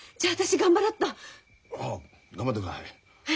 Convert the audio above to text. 頑張ってください。